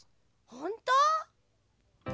ほんと？